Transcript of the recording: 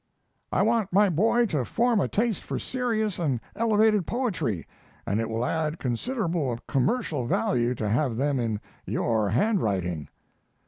I want my boy to form a taste for serious and elevated poetry, and it will add considerable commercial value to have them in your handwriting.